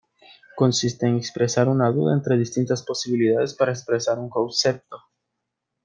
Consiste en expresar una duda entre distintas posibilidades para expresar un concepto.